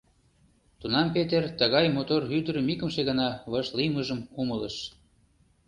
Тунам Петер тыгай мотор ӱдырым икымше гана вашлиймыжым умылыш.